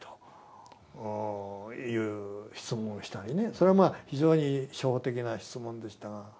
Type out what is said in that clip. それは非常に初歩的な質問でしたが。